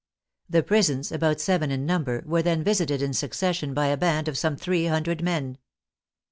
The prisons, about seven in num ber, were then visited in succession by a band of some three hundred men.